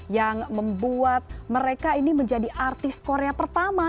yang membuat mereka ini menjadi artis korea pertama